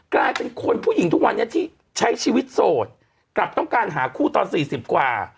กลายเป็นคนผู้หญิงทุกวันนี้ที่ใช้ชีวิตโสดกลับต้องการหาคู่ตอน๔๐กว่า